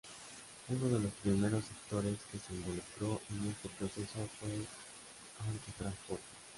Uno de los primeros sectores que se involucró en este proceso fue el autotransporte.